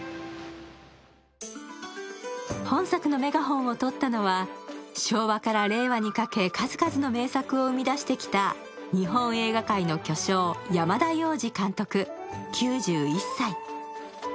本作のメガホンをとったのは昭和から令和にかけ数々の名作を生み出してきた日本映画界の巨匠・山田洋次監督９１歳。